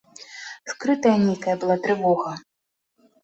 Скрытая нейкая была трывога.